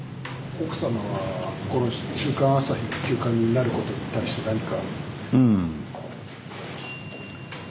奥様はこの「週刊朝日」が休刊になることに対して何か。